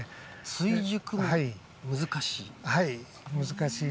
追熟も難しい？